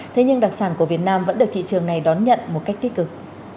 thế nhưng đặc sản của việt nam vẫn được thị trường này đón nhận một cách tích cực